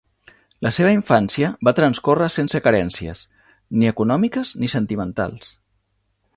La seva infància va transcórrer sense carències, ni econòmiques, ni sentimentals.